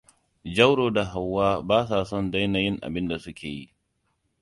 Jauro da Hauwa ba sa son daina yin abinda suke yi.